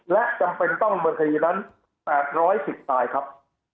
และจำเป็นต้องบนคดีนั้น๘๑๐รายครับ